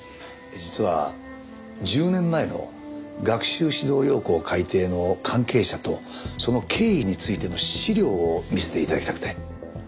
実は１０年前の学習指導要領改訂の関係者とその経緯についての資料を見せて頂きたくて。